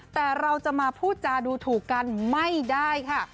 แต่เราจะมาพูดจาดูถูกกันไม่ได้ค่ะ